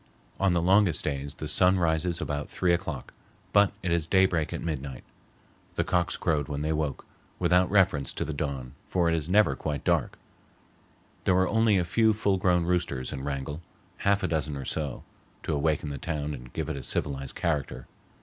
On the longest days the sun rises about three o'clock, but it is daybreak at midnight. The cocks crowed when they woke, without reference to the dawn, for it is never quite dark; there were only a few full grown roosters in Wrangell, half a dozen or so, to awaken the town and give it a civilized character.